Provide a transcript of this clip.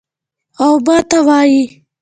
او ماته ئې وې ـ "